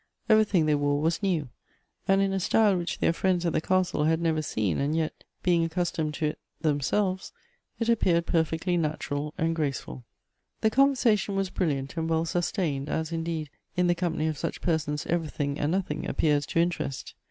Evei ything they wore was new, and in a style which their friends at the castle had never seen, and yet, being accustomed to it themselves, it appeared perfectly natural and graceful. The conversation was brilliant and well sustained, as, indeed, in the company of such persons everything and nothing appears to interest.